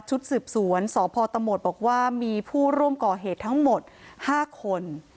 ชุดสืบสวนสพตหมดบอกว่ามีผู้ร่วมก่อเหตุทั้งหมด๕คน